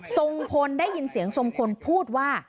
ทรงพลได้ยินเสียงทรงพลพูดว่า